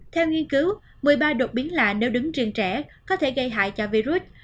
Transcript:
theo nghiên cứu một mươi ba đột biến là nếu đứng riêng trẻ có thể gây hại cho virus